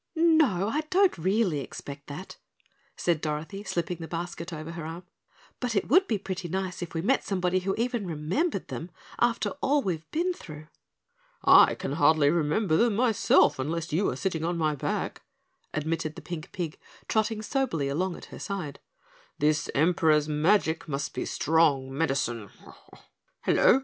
"No, I don't really expect that," said Dorothy, slipping the basket over her arm, "but it would be pretty nice if we met somebody who even remembered them, after all we've been through." "I can hardly remember them myself unless you are sitting on my back," admitted the pink pig, trotting soberly along at her side. "This Emperor's magic must be strong medicine. Hello!